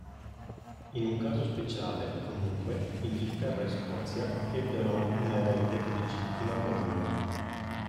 In un caso speciale, comunque, Inghilterra e Scozia ebbero un erede legittima femmina.